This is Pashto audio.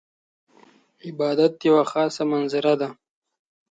عبادت یوه خاضه منظره ده .